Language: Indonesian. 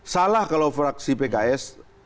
salah kalau fraksi pks